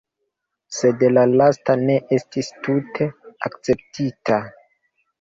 Sed la lasta ne estis tute akceptita.